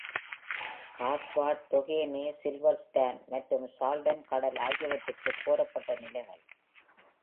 கார்ல்ஸ்பாட், Doheny, Silver Strand மற்றும் சால்டன் கடல் ஆகியவற்றிற்கு கோரப்பட்ட நிலைகள்.